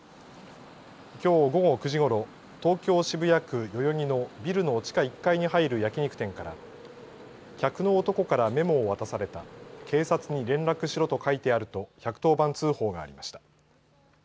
きょう午後９時頃東京・渋谷区代々木のビルの地下１階に入る焼き肉店から客の男からメモを渡された警察に連絡しろと書いてあると１１０番通報がありました。